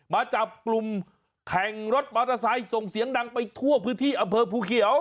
มาจับกลุ่มแข่งรถมอเตอร์ไซค์ส่งเสียงดังไปทั่วพื้นที่อำเภอภูเขียว